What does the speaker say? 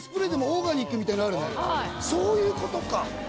そういうことか。